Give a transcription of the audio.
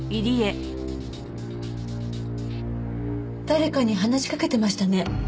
誰かに話しかけてましたね。